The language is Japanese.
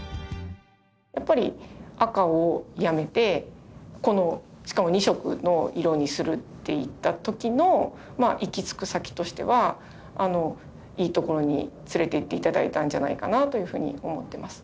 やっぱり赤をやめてこのしかも２色の色にするって言った時の行き着く先としてはいいところに連れていって頂いたんじゃないかなというふうに思ってます。